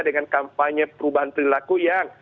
dengan kampanye perubahan perilaku yang